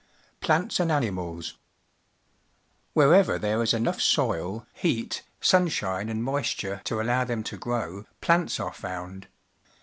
Plants and Animals. — Where ver there is enough soil, heat , siinshine, and m oisture to allow theni to grow, plants are found.